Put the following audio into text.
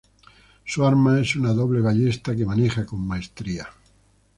Su arma es una doble ballesta que maneja con maestría.